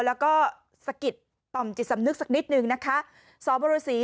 แล้วก็สะกิดต่อมจิตสำนึกสักนิดนึงนะคะสบรสี